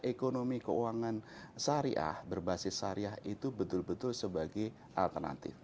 ekonomi keuangan syariah berbasis syariah itu betul betul sebagai alternatif